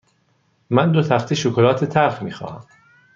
من دو تخته شکلات تلخ می خواهم.